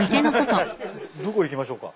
どこ行きましょうか？